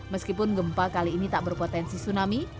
meskipun gempa kali ini tak berpotensi tsunami